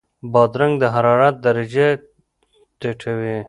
بادرنګ د حرارت درجه ټیټوي.